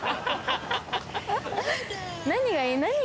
何がいい？